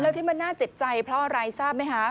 แล้วที่มันน่าเจ็บใจเพราะอะไรทราบไหมคะ